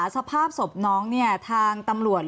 อ๋อค่ะค่ะเป็นสินสอด